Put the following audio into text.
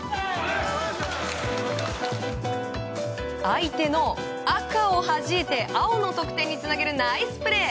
相手の赤をはじいて青の得点につなげるナイスプレー！